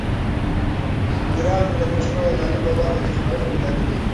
ګران لګښتونه د تعلیم په برخه کې خنډونه پیدا کوي.